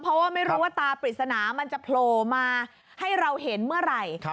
เพราะว่าไม่รู้ว่าตาปริศนามันจะโผล่มาให้เราเห็นเมื่อไหร่